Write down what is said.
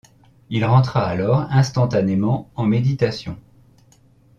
Il rentra alors instantanément en méditation.